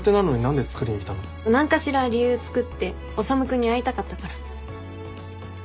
何かしら理由つくって修君に会いたかったから。